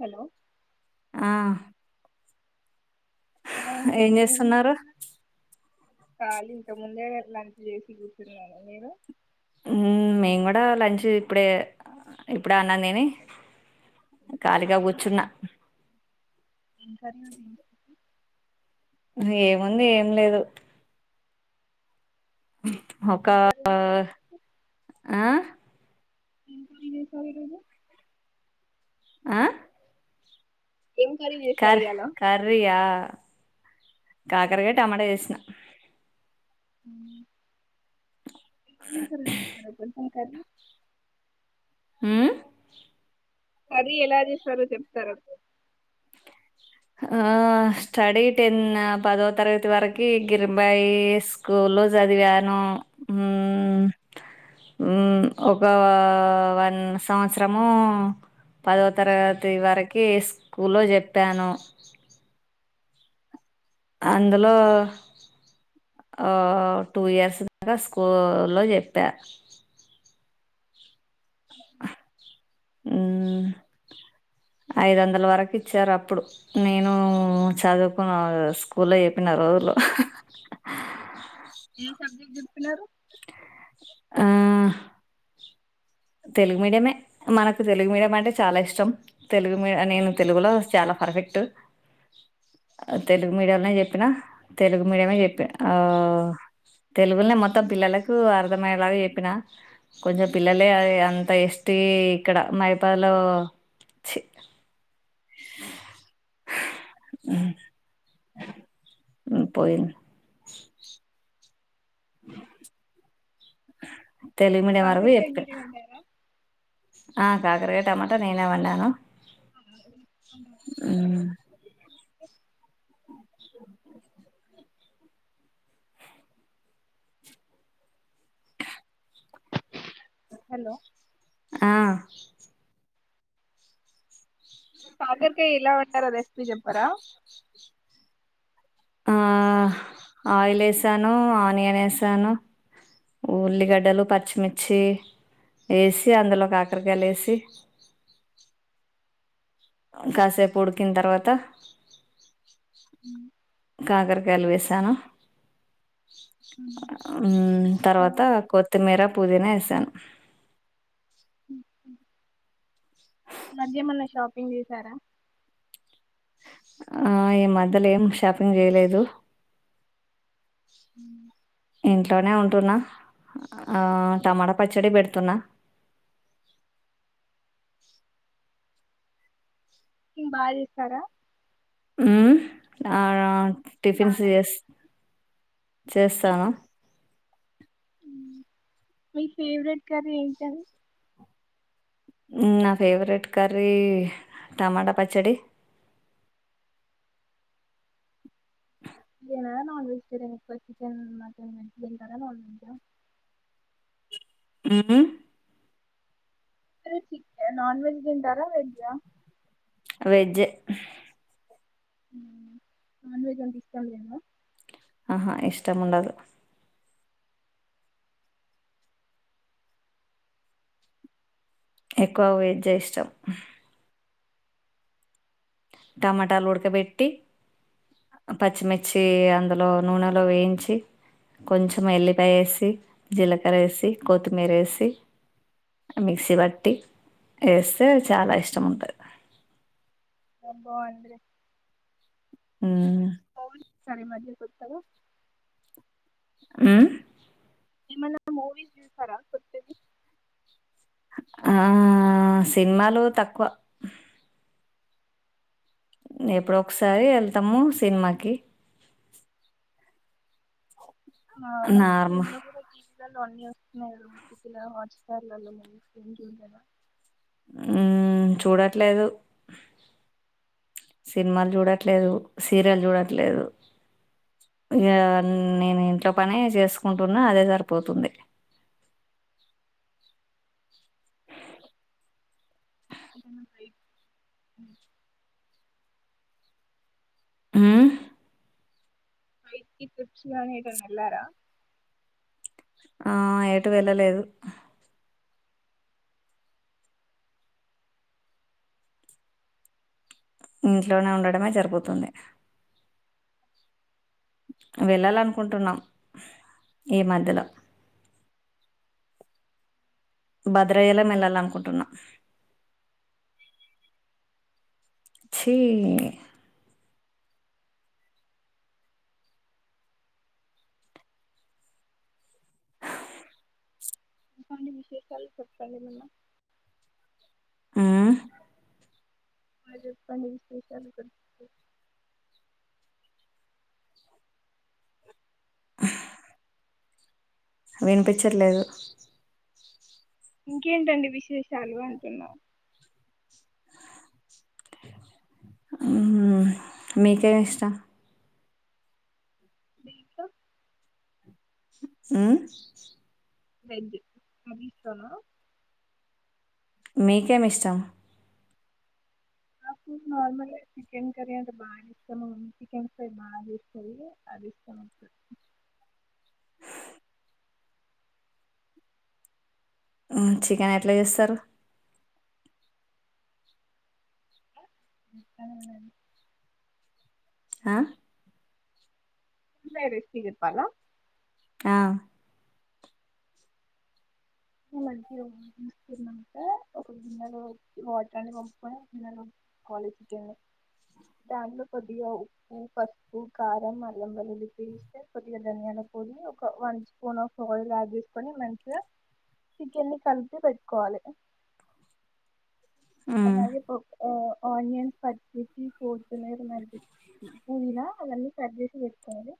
Hello ఆా hi అండి ఏం చేస్తున్నారు కాలీ ఇంక ముందే లంచ్ చేసి కూర్చున్నాను మీరు హు మేము కూడా లంచ్ ఇప్పుడే ఇప్పుడే అన్నం తిని ఖాళీగా కూర్చున్నా ఎంకర్రి ఏముంది ఏం లేదు ఒక సర ఆ ఇన్పిలేదా సరిగా ఆ ఏం కర్రీ చేశారు కార్ ఇయ్యాల కర్రీ ఆ కాకరకాయ్ టమాటా చేసిన హ [unintelligible] ఆ కర్రీ ఆ కర్రీ ఎలా చేసారో చెప్తార ఆ స్టడీ టెన్ పదో తరగతి వరకి గిరింబాయి స్కూల్ లో చదివాను ఒక వన్ సంవత్సరము పదో తరగతి వరకీ స్కూల్లో చెప్పాను అందులో టూ ఇయర్స్ దాకా స్కూల్లో చెప్పా ఐదు వందల వరకు ఇచ్చారు అప్పుడు నేను చదువుకున్న స్కూల్లో చెప్పిన రోజులు ఏ సబ్జెక్ట్ చే పిన్నారు ఆ తెలుగు మీడియమే మనకు తెలుగు మీడియం అంటే చాలా ఇష్టం తెలుగు మీ నేను తెలుగులో చాలా పర్ఫెక్ట్ తెలుగు మీడియంనే చెప్పిన తెలుగు మీడియమే చెప్పిన తెలుగునే మొత్తం పిల్లలకు అర్థమయ్యేలా చెప్పిన కొంచెం పిల్లలే అంత ఎస్ టి ఇక్కడ మైపాలో చి పోయింది తెలుగు ఈ మీడియం వరకు కాకరకాయ చెప్పా మీరే వండారా ఆ కాకరకాయ టమాటా నేనే వండను అ హలో ఆ కాకరకాయ ఇలా వండారో రెస్పి చెప్పరా ఆ ఆయిల్ వేసాను ఆనియన్ వేసాను ఉల్లిగడ్డలు పచ్చిమిర్చి వేసి అందులో కా ఆకరకాయలు వేసి కాసేపు ఉడికిన తర్వాత మ్మ్. కాకరకాయలు వేసాను మ్మ్. తర్వాత కొత్తిమీర పుదీనా వేసాన్ అ మధ్య ఎమన్నా షాపింగ్ చేసారా ఆ ఈ మధ్యలో ఏం షాపింగ్ చేయలేదు ఉ ఇంట్లోనే ఉంటున్నా టమాటా పచ్చడి పెడుతున్నా కుకింగ్ బాగా చేస్తారా ఉమ్ ఆ టిఫిన్స్ బాగా చేస్ చేస్తావ మీ ఫేవరెట్ కర్రీ ఏంటి అది నా ఫేవరెట్ కర్రీ టమాటా పచ్చడి వె నాన్ వెజిటేరియన్ ఇ చికన్ మటన్ వెజ్ ఏంటార నాన్ వెజ్ ఉమ్ అది నాన్ వెజ్ తింటారా వెజ్ ఆ వెజ్ నాన్ వెజ్ అంటే ఇష్టం లేదా ఆహా ఇష్టము ఉండదు ఎక్కువ వెజ్ ఇష్టాం టమాటాలు ఉడకబెట్టి పచ్చిమిర్చి అందులో నూనెలో వేయించి కొంచెం ఎల్లిపాయ వేసి జీలక్ర వేసి కొత్తిమీర వేసి మిక్సీ పట్టి చెస్తే చాలా ఇష్టం ఉంటుంది రబ్బా అందీ మ్మ్. పో సారే మజే కొత్తగా ఆ నిమల మూవీ చూసారా ఆ సినిమాలు తక్కువ ఎప్పుడు ఒకసారి వెళ్తాము సినిమాకి [inaudible] ఆ మళ్ళీప్పుడు నార్మల్ ఎల్ కూడా తీ లు అన్ని వస్తున్నాయి టికిలా హాట్ స్టార్లలో మం చూడలే చూడట్లేదు సినిమాలు చూడట్లేదు సీరియల్ చూడట్లేదు ఇక నేను ఇంట్లో పనే చేసుకుంటున్నా అదే సరిపోతుంది ఎ ఆ ట్రిక్స్ గాని ఎటైనా వేల్లార ఆ ఎటు వెళ్ళలేదు ఇంట్లోనే ఉండమే జరుగుతుంది వెళ్ళాలనుకుంటున్నాం ఈ మధ్యలో భద్రయల వెళ్లాలనుకుంటున్నా చి ఇంకేంటి విశేషాలు చెప్పప్పండి మన్న ఆ మరి చెపాండి విశేషాలు గు వినిపించట్లేదు ఇంకేంటండి వి చేషాలు అంటున్నా మీకే ఇష్టం మి ఇంట్లో ఆ ఏంది పనితానా మీకే ఎమ్ ఇష్టం నాప్పుడు నార్మల్ చికెన్ కర్రీ అంటే బాగా ఇష్టం చికెన్ ఫ్రై బాగా ఇస్తంది అది ఇష్టం చికెన్ ఎట్లా చేస్తారు [unintelligible] అ ఇంత రిస్కియి చెప్పాల ఆ మంచిగ ఊసి తీస్కునంక ఒక గిన్నెలో వాటర్న్ని పంపుకొని ఒక గిన్నెలో కాలుసిట్టింది దాంట్లో కొద్దిగా ఉప్పు పసుపు కారం అల్లం వెల్లుల్లి పేస్ట్ కొద్దిగా ధనియాల పొడి ఒక one spoon of oil add జేసుకొని మంచిగా చికెన్ని కలిపి పెట్టుకోవాలి మ్మ్. అలాగే పోప్ ఒ ఆనియన్స్ కట్ చేసి పోడ్ తినేది మరిది పుదీనా అవ్వన్నీ కట్ చేసి పెట్టుకోండి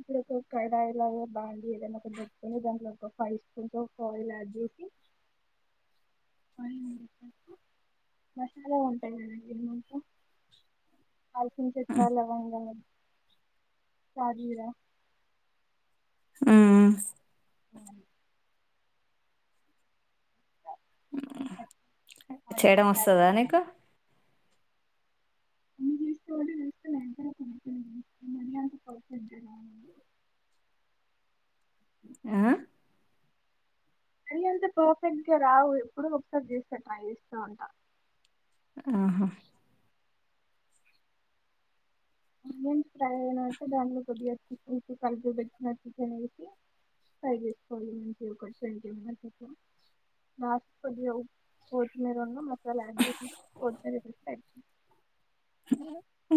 ఇప్పుడ ఒక కడాయి లా బాండి ఏదైనా కొ పెట్టుకో దాంట్లో ఒక five spoon of oil add చేసి వన్ క మసాలా ఉంటది గద ఇరుముకు అల్చిన్ చెట్టు అలా వంగదు సాజీరా ఊ అది ఆ చేయడం ఆనియన్స్ యాడ్ వస్తదా చేసి నీకు అన్ని జూస్తవా అంటే ఎంతర పొడి పొడి గా జూస్తా మరి అంత పర్ఫెక్ట్ జూడ నేను ఆ అది అంత పర్ఫెక్ట్ గా రావు ఎప్పుడు ఒకసారి చేస్త ట్రై చేస్త ఉంటా ఆహా ఆనియన్స్ ఫ్రై అయినాక దాంట్లో కొద్దిగా చికెన్ కలిపిపెట్టుకున్న చికెన్ వేసి ఫ్రై చేసుకోవాలి మంచి ఒక ట్వంటీ మినిట్స్ అట్ల లాస్ట్ కొద్దిగా కొత్తిమీర ఉన్న మసాలా యాడ్ చేసే కొత్తిమీర వేసే ఐపో ఊ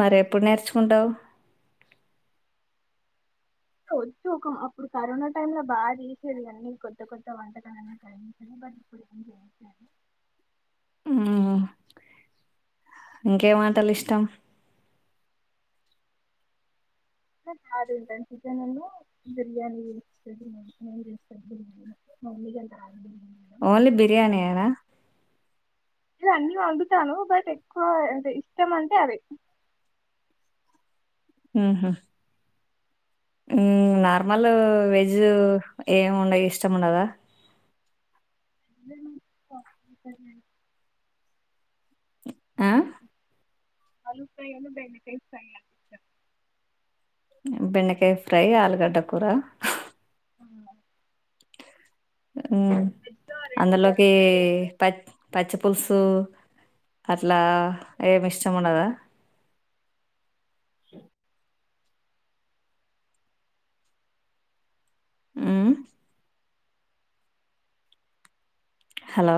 మరి ఎప్పుడు నేర్చుకుంటవు వచ్చు ఒక అప్పుడు కరోనా టైమ్ లో బాగా తీసేది గాని కొత్త కొత్త వంటకాలన్ని [unintelligible] బట్ ఇప్పుడు ఏం చేయట్లేదు మ్మ్. ఇంకేం వంటలు ఇష్టం టన్ హార్డ్ ఉంటది చికెన్ వున్ను బిర్యానీ చేస్తది మౌని చేస్తది బిర్యానీ మౌనికి అంత రాదు బిర్యానీ చేయడం ఓన్లీ బిర్యానీయేనా ఇంట్లో అన్నీ వండుతాను బట్ ఎక్కువ అంటే ఇష్టం అంటే అవే ఊహ్మ్ ఊ నార్మల్ వెజ్ ఏముండ ఇష్టము ఉండదా ఇండ్లనే స్టాఫ్ రైటర్మెంట్ ఆ అల్లు ఫ్రై వున్ను బెండ్డకాయి ఫ్రై అంటే ఇష్టం బెండ్డకాయి ఫ్రై ఆలుగడ్డ కూర అవును హ్మ్ ఆ రెండు అందులోకి కర్రీస్ అంటే ఇష్టం పచ్ పచ్చి పులుసు ఓ అట్లా ఏమి ఇష్టం ఉండదా ఊ హలో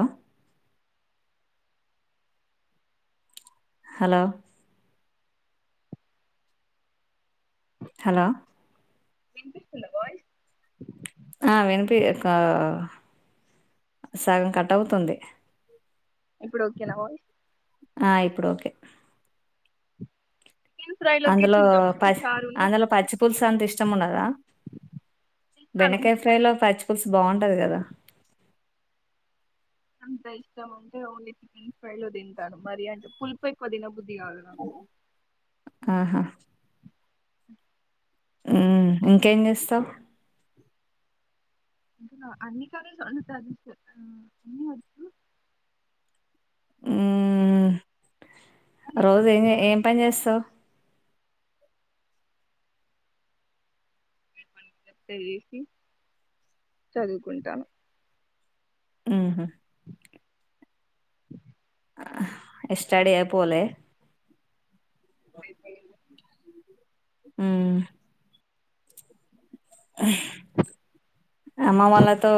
హలో హలో వినిపిస్తుందా వాయిస్ ఆ వినిపి కా సగం కట్ అవుతుంది ఇప్పుడు ఓకేనా వాయిస్ ఆ ఇప్పుడు ఓకే [inaudible] లోకి అందులో చింతపులుసు పస్ చారును అందులో పచ్చి పులుసు అంత ఇష్టం ఉండదా తింటాను బెండకాయ ఫ్రైలో పచ్చి బావుంటది గదా అంత ఇష్టం అంటే ఓన్లీ చికెన్ ఫ్రైలో దింటారు మరి అంటే పులుపు ఎక్కువ తినబుద్ ఆహా [inaudible] హ్మ్ ఇంకేం జేస్తవు అ అన్ని కర్రీస్ వండుతాను అన్ని వచ్చు ఊ కానీ ఎక్కువ రోజు ఏంజె చదివాను ఏం పని చేస్తావ్ అన్ని పనలు ప్లే జేసి చదువుకుంటాను ఊహ్మ్ ఎస్టర్డే ఇగ పోలే అయిపోయింది ఊ అమ్మ వాళ్లతో